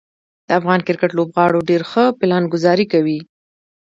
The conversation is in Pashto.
د افغان کرکټ لوبغاړو ډیر ښه پلانګذاري کوي.